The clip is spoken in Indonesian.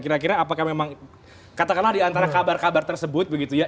kira kira apakah memang katakanlah diantara kabar kabar tersebut begitu ya